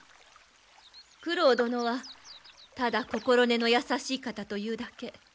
九郎殿はただ心根の優しい方というだけ。